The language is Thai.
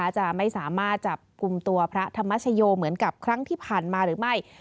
จะไม่สามารถจับกลุ่มตัวพระธรรมชโยเหมือนกับครั้งที่ผ่านมาหรือไม่